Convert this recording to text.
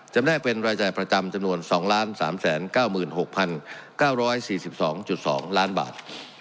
แนกเป็นรายจ่ายประจำจำนวน๒๓๙๖๙๔๒๒ล้านบาท